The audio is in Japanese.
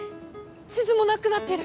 地図もなくなってる！